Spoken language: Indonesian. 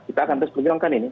kita akan terus perjuangkan ini